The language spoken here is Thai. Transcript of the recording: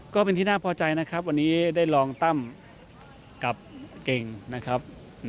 ก็เป็นที่น่าพอใจนะครับวันนี้ได้รองตั้มกับเก่งนะครับ